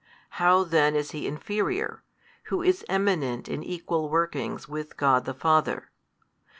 How then is He inferior, Who is Eminent in equal workings with God the Father?